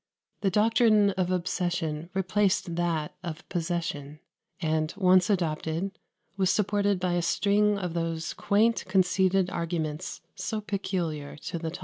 The doctrine of obsession replaced that of possession; and, once adopted, was supported by a string of those quaint, conceited arguments so peculiar to the time.